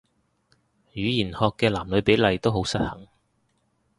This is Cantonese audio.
語言學嘅男女比例都好失衡